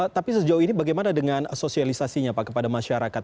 tapi sejauh ini bagaimana dengan sosialisasinya pak kepada masyarakat